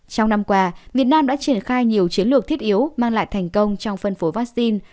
trong năm qua việt nam đã triển khai nhiều chiến lược thiết yếu mang lại thành công trong phân phối vaccine